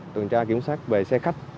tuần tra kiểm soát về xe khách